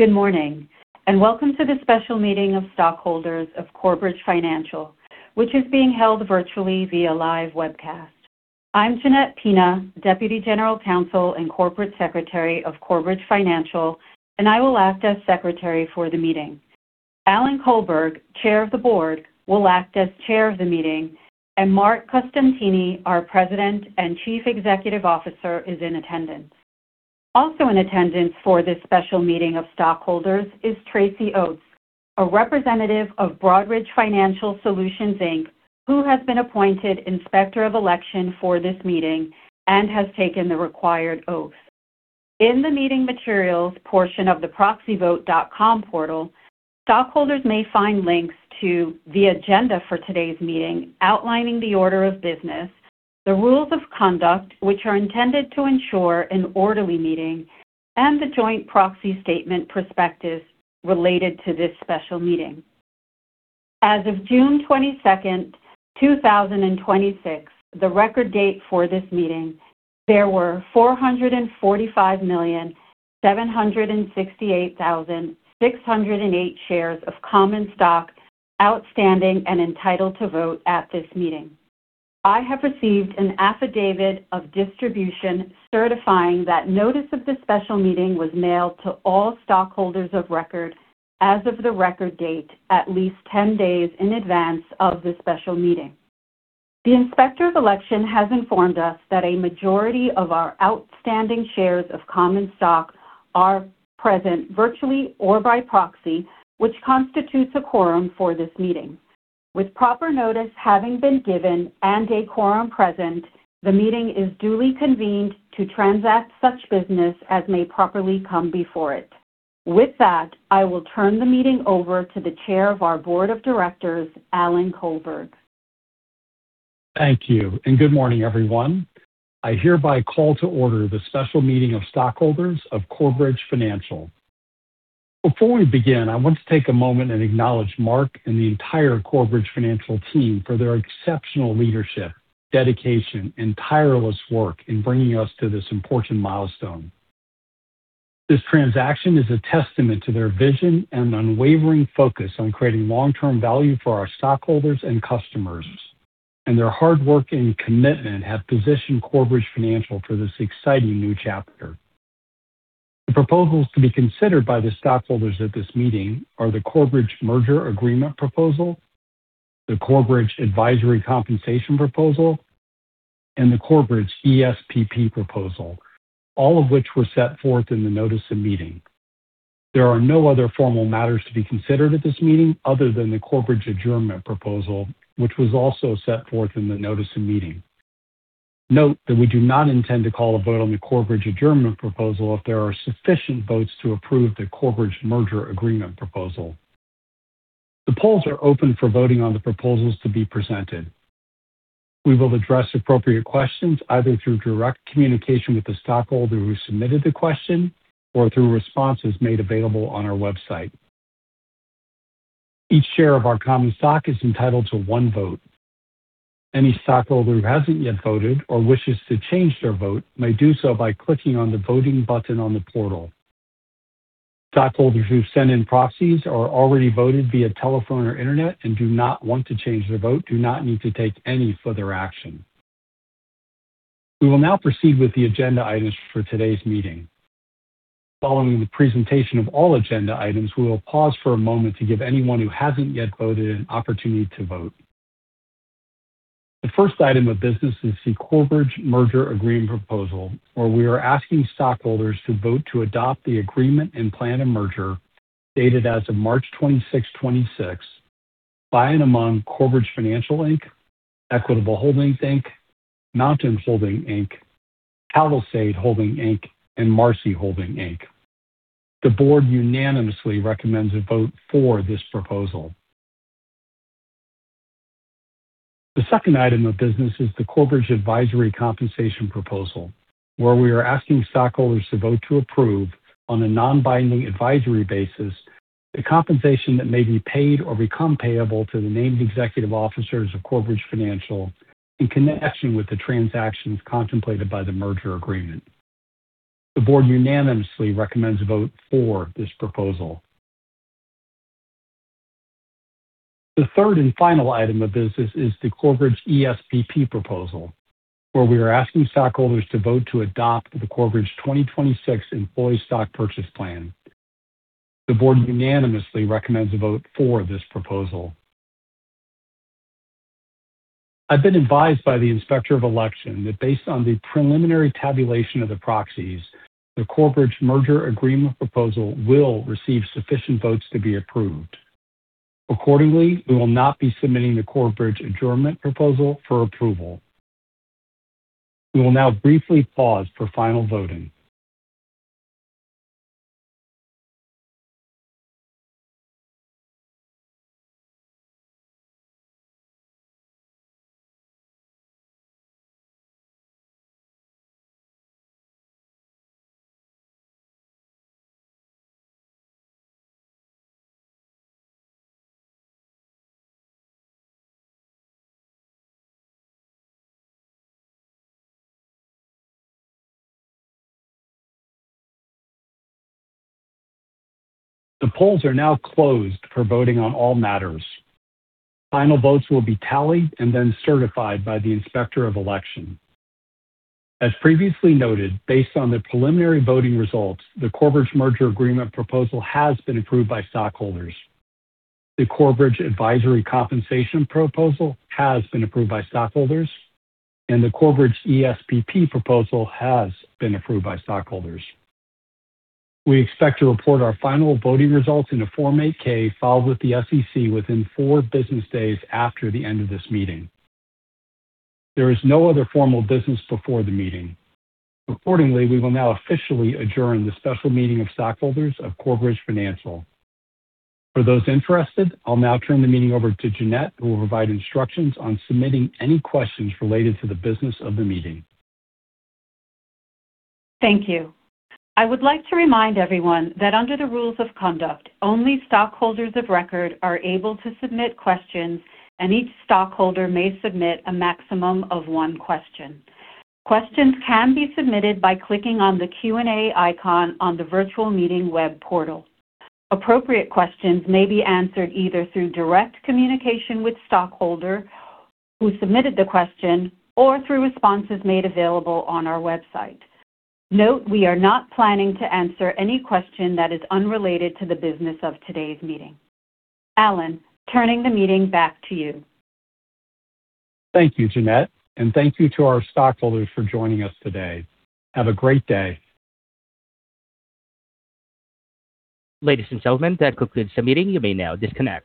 Good morning, and welcome to the special meeting of stockholders of Corebridge Financial, which is being held virtually via live webcast. I'm Jeannette Pina, Deputy General Counsel and Corporate Secretary of Corebridge Financial, and I will act as Secretary for the meeting. Alan Colberg, Chair of the Board, will act as Chair of the meeting, and Marc Costantini, our President and Chief Executive Officer, is in attendance. Also in attendance for this special meeting of stockholders is Tracy Oats, a Representative of Broadridge Financial Solutions, Inc., who has been appointed Inspector of Election for this meeting and has taken the required oath. In the meeting materials portion of the proxyvote.com portal, stockholders may find links to the agenda for today's meeting, outlining the order of business, the rules of conduct, which are intended to ensure an orderly meeting, and the joint proxy statement prospectus related to this special meeting. As of June 22nd, 2026, the record date for this meeting, there were 445,768,608 shares of common stock outstanding and entitled to vote at this meeting. I have received an affidavit of distribution certifying that notice of this special meeting was mailed to all stockholders of record as of the record date, at least 10 days in advance of this special meeting. The Inspector of Election has informed us that a majority of our outstanding shares of common stock are present virtually or by proxy, which constitutes a quorum for this meeting. With proper notice having been given and a quorum present, the meeting is duly convened to transact such business as may properly come before it. With that, I will turn the meeting over to the Chair of our Board of Directors, Alan Colberg. Thank you, and good morning, everyone. I hereby call to order the special meeting of stockholders of Corebridge Financial. Before we begin, I want to take a moment and acknowledge Marc and the entire Corebridge Financial team for their exceptional leadership, dedication, and tireless work in bringing us to this important milestone. This transaction is a testament to their vision and unwavering focus on creating long-term value for our stockholders and customers. Their hard work and commitment have positioned Corebridge Financial for this exciting new chapter. The proposals to be considered by the stockholders at this meeting are the Corebridge Merger Agreement Proposal, the Corebridge Advisory Compensation Proposal, and the Corebridge ESPP Proposal, all of which were set forth in the notice of meeting. There are no other formal matters to be considered at this meeting other than the Corebridge Adjournment Proposal, which was also set forth in the notice of meeting. Note that we do not intend to call a vote on the Corebridge Adjournment Proposal if there are sufficient votes to approve the Corebridge Merger Agreement Proposal. The polls are open for voting on the proposals to be presented. We will address appropriate questions either through direct communication with the stockholder who submitted the question or through responses made available on our website. Each share of our common stock is entitled to one vote. Any stockholder who hasn't yet voted or wishes to change their vote may do so by clicking on the voting button on the portal. Stockholders who've sent in proxies or already voted via telephone or internet and do not want to change their vote do not need to take any further action. We will now proceed with the agenda items for today's meeting. Following the presentation of all agenda items, we will pause for a moment to give anyone who hasn't yet voted an opportunity to vote. The first item of business is the Corebridge Merger Agreement Proposal, where we are asking stockholders to vote to adopt the agreement and plan of merger, dated as of March 26, 2026, by and among Corebridge Financial, Inc., Equitable Holdings, Inc., Mountain Holdings Inc., [inaudible] Holdings Inc., and Marcy Holdings Inc. The board unanimously recommends a vote for this proposal. The second item of business is the Corebridge Advisory Compensation Proposal, where we are asking stockholders to vote to approve, on a non-binding advisory basis, the compensation that may be paid or become payable to the named executive officers of Corebridge Financial in connection with the transactions contemplated by the merger agreement. The board unanimously recommends a vote for this proposal. The third and final item of business is the Corebridge ESPP Proposal, where we are asking stockholders to vote to adopt the Corebridge 2026 Employee Stock Purchase Plan. The board unanimously recommends a vote for this proposal. I've been advised by the Inspector of Election that based on the preliminary tabulation of the proxies, the Corebridge Merger Agreement Proposal will receive sufficient votes to be approved. Accordingly, we will not be submitting the Corebridge Adjournment Proposal for approval. We will now briefly pause for final voting. The polls are now closed for voting on all matters. Final votes will be tallied and then certified by the Inspector of Election. As previously noted, based on the preliminary voting results, the Corebridge Merger Agreement Proposal has been approved by stockholders. The Corebridge Advisory Compensation Proposal has been approved by stockholders, and the Corebridge ESPP Proposal has been approved by stockholders. We expect to report our final voting results in a Form 8-K filed with the SEC within four business days after the end of this meeting. There is no other formal business before the meeting. Accordingly, we will now officially adjourn the special meeting of stockholders of Corebridge Financial. For those interested, I'll now turn the meeting over to Jeannette, who will provide instructions on submitting any questions related to the business of the meeting. Thank you. I would like to remind everyone that under the rules of conduct, only stockholders of record are able to submit questions, and each stockholder may submit a maximum of one question. Questions can be submitted by clicking on the Q&A icon on the virtual meeting web portal. Appropriate questions may be answered either through direct communication with stockholder who submitted the question or through responses made available on our website. Note we are not planning to answer any question that is unrelated to the business of today's meeting. Alan, turning the meeting back to you. Thank you, Jeannette, and thank you to our stockholders for joining us today. Have a great day. Ladies and gentlemen, that concludes the meeting. You may now disconnect.